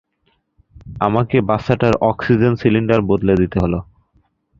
আমাকে বাচ্চাটার oxygen cylinder বদলে দিতে হল।